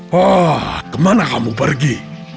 wah kemana kamu pergi